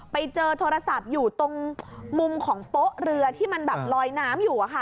ไปเจอโทรศัพท์อยู่ตรงมุมของโป๊ะเรือที่มันแบบลอยน้ำอยู่